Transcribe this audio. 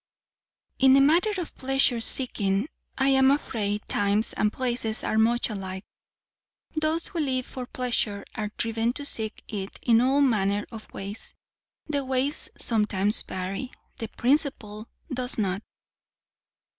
In the matter of pleasure seeking, I am afraid times and places are much alike. Those who live for pleasure, are driven to seek it in all manner of ways. The ways sometimes vary; the principle does not."